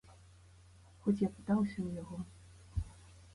Хоць я пытаўся ў яго.